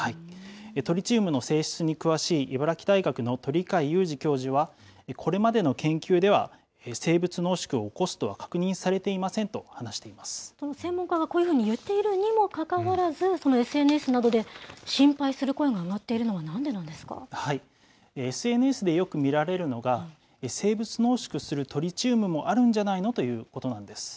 トリチウムの性質に詳しい茨城大学の鳥養祐二教授は、これまでの研究では生物濃縮を起こすとは確専門家がこういうふうに言っているにもかかわらず、そのＳＮＳなどで、心配する声が上がってＳＮＳでよく見られるのが、生物濃縮するトリチウムもあるんじゃないの？ということなんです。